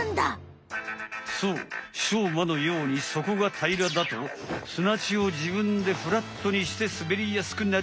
そうしょうまのようにそこがたいらだとすなちをじぶんでフラットにしてすべりやすくなる。